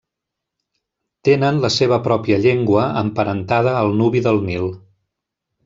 Tenen la seva pròpia llengua emparentada al nubi del Nil.